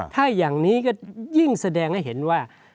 ถ้าอย่างนี้ก็ยิ่งแสดงให้เห็นว่า